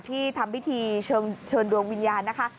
ที่ทำพิธีเชิญดวงวิญญาณนะคะ